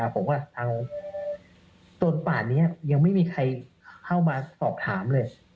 ผมก็เอาจนป่านนี้ยังไม่มีใครเข้ามาสอบถามเลย